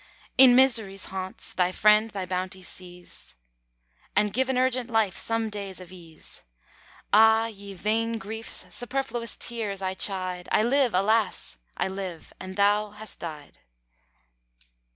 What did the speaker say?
In misery's haunts, thy friend thy bounties seize, And give an urgent life some days of ease; Ah! ye vain griefs, superfluous tears I chide! I live, alas! I live and thou hast died!